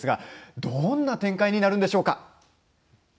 どんな展開になるんでしょうか。